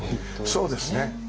そうですね。